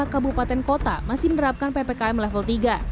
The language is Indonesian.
lima kabupaten kota masih menerapkan ppkm level tiga